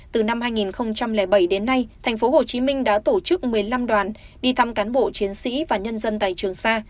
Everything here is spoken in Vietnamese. từ năm hai nghìn bảy đến nay tp hcm đã tổ chức một mươi năm đoàn đi thăm cán bộ chiến sĩ và nhân dân tại trường sa